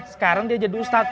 sekarang dia jadi ustadz